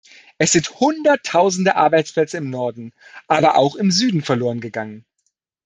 Es sind Hunderttausende Arbeitsplätze im Norden, aber auch im Süden verlorengegangen.